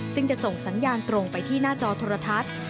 ซึ่งจะส่งสัญญาณตรงไปที่หน้าจอโทรทัศน์